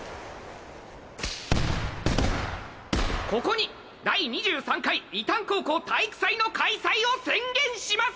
ここに第２３回伊旦高校体育祭の開催を宣言します！